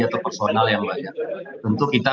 atau personal yang banyak tentu kita